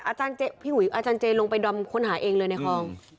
อาจารย์เจลงไปดำคนหาเองเลยในคลอง